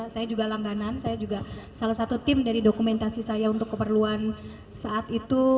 saya juga langganan saya juga salah satu tim dari dokumentasi saya untuk keperluan saat itu